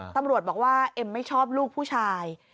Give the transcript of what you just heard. ตำรวจบอกว่าเอ็มไม่ชอบลูกผู้ชาย